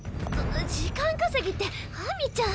時間稼ぎってハミちゃん！